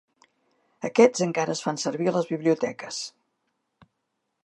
Aquests encara es fan servir a les biblioteques.